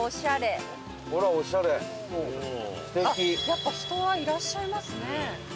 やっぱ人はいらっしゃいますね。